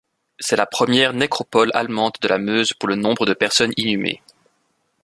C'est la première nécropole allemande de la Meuse pour le nombres de personnes inhumées.